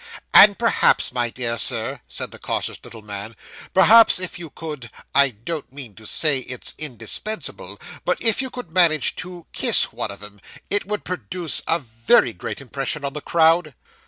'And, perhaps, my dear Sir,' said the cautious little man, 'perhaps if you could I don't mean to say it's indispensable but if you could manage to kiss one of 'em, it would produce a very great impression on the crowd.